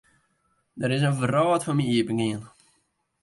Der is in wrâld foar my iepengien.